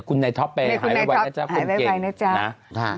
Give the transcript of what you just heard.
คุณในท็อปไปหายไว้ไว้นะจ๊ะคุณเก่ง